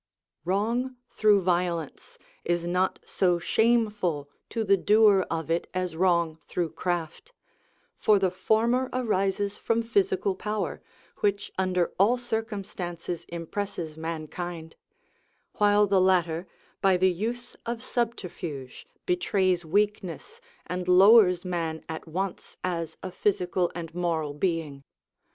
Wrong through violence is not so shameful to the doer of it as wrong through craft; for the former arises from physical power, which under all circumstances impresses mankind; while the latter, by the use of subterfuge, betrays weakness, and lowers man at once as a physical and moral being.